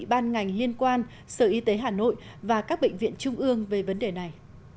ban ngành liên quan sở y tế hà nội và các bệnh viện trung ương về vấn đề này